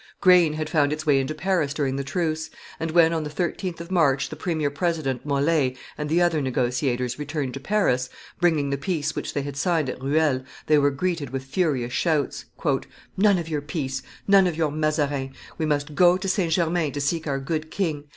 Grain had found its way into Paris during the truce; and when, on the 13th of March, the premier president, Molt;, and the other negotiators, returned to Paris, bringing the peace which they had signed at Ruel, they were greeted with furious shouts: "None of your peace! None of your Mazarin! We must go to St. Germain to seek our good king!